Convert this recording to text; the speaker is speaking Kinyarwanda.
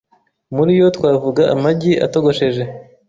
Muri yo twavuga amagi atogosheje,